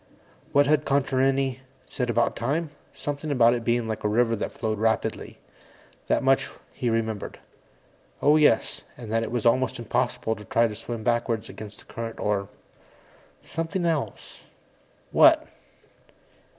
_ What had Contarini said about time? Something about its being like a river that flowed rapidly that much he remembered. Oh, yes and that it was almost impossible to try to swim backwards against the current or ... something else. What?